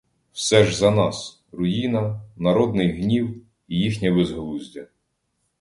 Все ж за нас: руїна, народний гнів і їхнє безглуздя!